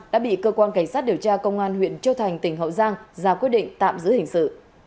đã bị cơ quan cảnh sát điều tra công an huyện châu thành tỉnh hậu giang ra quyết định tạm giữ hình sự